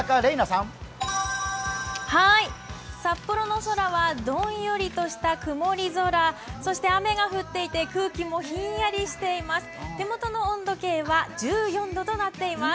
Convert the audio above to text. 札幌の空はどんよりとした曇り空、雨が降っていて空気もひんやりしています。